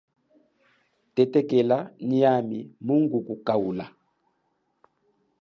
Tetekela nyi yami mungukutaula.